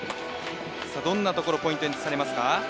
どんなところポイントにされますか？